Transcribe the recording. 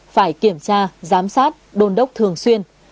phải kiểm tra giám sát đôn đốc thường xuyên